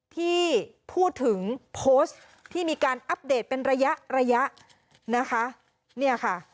ที่พูดถึงโพสต์ที่มีการอัปเดตเป็นระยะระยะนะคะเนี่ยค่ะ